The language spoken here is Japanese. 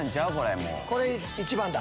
これ１番だ！